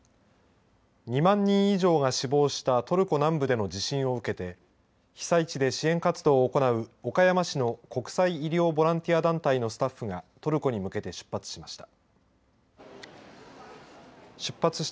２万人以上が死亡したトルコ南部での地震を受けて被災地で支援活動を行う岡山市の国際医療ボランティア団体のスタッフがトルコに向けて出発しました。